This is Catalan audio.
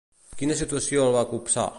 Quina situació el va copsar?